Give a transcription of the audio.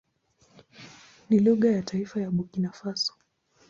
Ni lugha ya taifa ya Burkina Faso.